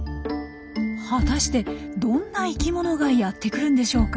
果たしてどんな生きものがやって来るんでしょうか？